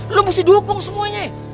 lu mesti dukung semuanya